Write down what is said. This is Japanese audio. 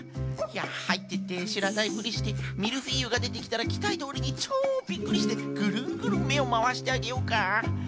いやはいってってしらないふりしてミルフィーユがでてきたらきたいどおりにちょうビックリしてグルングルンめをまわしてあげようか？